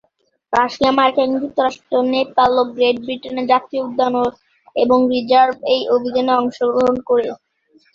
Russia, মার্কিন যুক্তরাষ্ট্র, নেপাল এবং গ্রেট ব্রিটেনের জাতীয় উদ্যান এবং রিজার্ভ এই অভিযানে অংশ গ্রহণ করে।